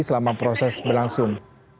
selama proses berlangsung